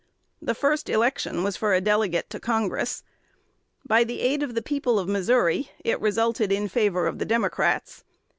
The first election was for a delegate to Congress. By the aid of the people of Missouri, it resulted in favor of the Democrats.